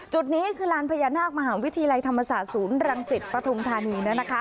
จุดนี้คือลานพญานาคมหาวิทยาลัยธรรมศาสตร์ศูนย์รังสิตปฐุมธานี